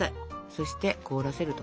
そして凍らせると。